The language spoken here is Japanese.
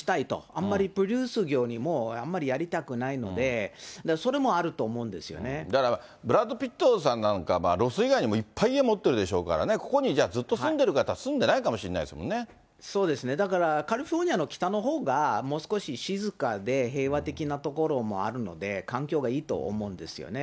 あんまりにあんまりやりたくないので、それもあると思うんですだからブラッド・ピットさんなんかは、ロス以外にもいっぱい家持ってるでしょうからね、ここにじゃあ、ずっと住んでるかっていったら、住んでないかもしれないですもんだから、カリフォルニアの北のほうが、もう少し静かで平和的な所もあるので、環境がいいと思うんですよね。